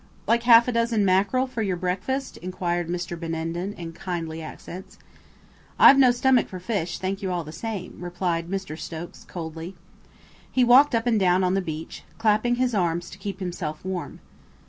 "Like half a dozen mackerel for your breakfast?" inquired Mr. Benenden in kindly accents. "I've no stomach for fish, thank you all the same," replied Mr. Stokes coldly. He walked up and down on the beach, clapping his arms to keep himself warm.